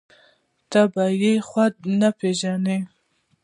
ته به يې خود نه پېژنې.